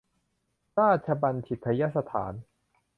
ราชบัญฑิตยสถาน